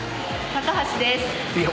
高橋です。